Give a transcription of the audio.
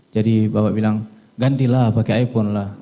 jadi bapak bilang gantilah pakai iphone lah